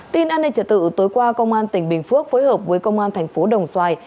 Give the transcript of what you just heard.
tin an ninh trật tự tối qua công an tỉnh bình phước phối hợp với công an thành phố đồng xoài